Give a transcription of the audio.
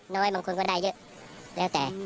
บางคนก็ได้เยอะแล้วแต่